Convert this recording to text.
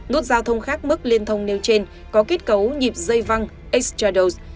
nút giao thông khác mức liên thông nêu trên có kết cấu nhịp dây văng x shadows